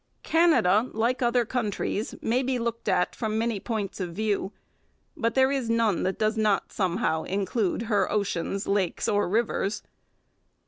Canada, like other countries, may be looked at from many points of view; but there is none that does not somehow include her oceans, lakes, or rivers.